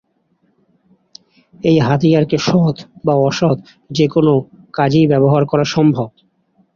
এই হাতিয়ারকে সৎ বা অসৎ যেকোনো কাজেই ব্যবহার করা সম্ভব।